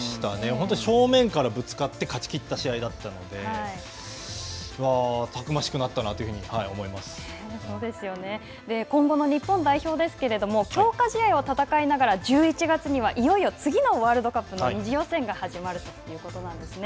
本当正面からぶつかって、勝ちきった試合だったので、今後の日本代表ですけれども、強化試合を戦いながら、１１月にはいよいよ次のワールドカップの２次予選が始まるということなんですね。